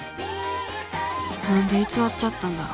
何で偽っちゃったんだろう。